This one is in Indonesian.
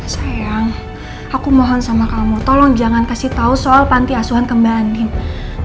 sayang aku mohon sama kamu tolong jangan kasih tahu soal panti asuhan kembali